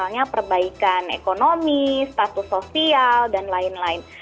misalnya perbaikan ekonomi status sosial dan lain lain